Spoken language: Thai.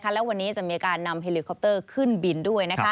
และวันนี้จะมีการนำเฮลิคอปเตอร์ขึ้นบินด้วย